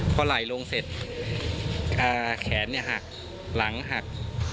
พอไหลลงเสร็จแขนหักหลังหัก